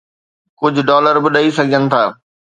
ڪجهه ڊالر به ڏئي سگهجن ٿا.